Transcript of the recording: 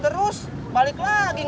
terus balik lagi ngejar neng ani